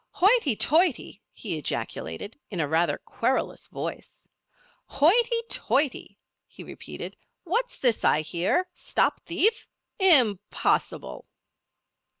"Hoity toity!" he ejaculated, in a rather querulous voice. "Hoity toity!" he repeated. "What's this I hear? 'Stop thief'? Impossible!"